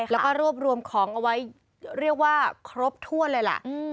แล้วก็รวบรวมของเอาไว้เรียกว่าครบถ้วนเลยล่ะ